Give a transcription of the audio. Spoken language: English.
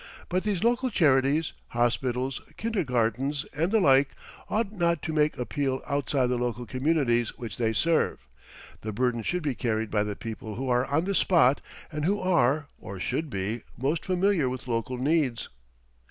But these local charities, hospitals, kindergartens, and the like, ought not to make appeal outside the local communities which they serve. The burden should be carried by the people who are on the spot and who are, or should be, most familiar with local needs.